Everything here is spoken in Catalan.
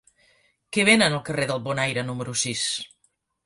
Què venen al carrer del Bonaire número sis?